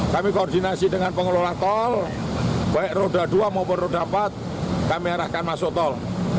kami koordinasi dengan pengelola tol baik roda dua maupun roda empat kami arahkan masuk tol